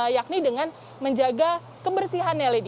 yakni dengan menjaga kebersihannya